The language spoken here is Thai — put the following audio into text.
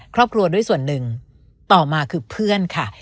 ครอบครัวด้วยส่วนหนึ่งต่อมาคือเพื่อนค่ะ